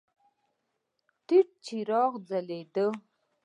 تت څراغونه ځلېدل.